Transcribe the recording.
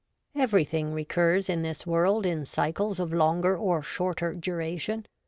Everything recurs in this world in cycles of longer or shorter duration.